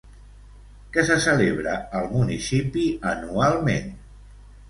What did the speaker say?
Què se celebra al municipi anualment?